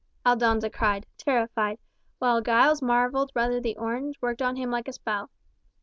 Aldonza cried, terrified, while Giles marvelled whether the orange worked on him like a spell.